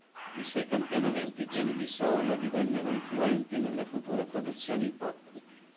I suoi campionamenti pieni di soul divennero influenti nelle future produzioni hip hop.